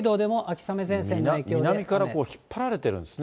南から引っ張られてるんです